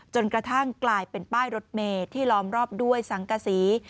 จนกระทั่งกลายเป็นป้ายรถเมที่ล้อมรอบด้วยสังกษี